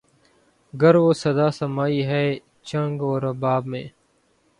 گر وہ صدا سمائی ہے چنگ و رباب میں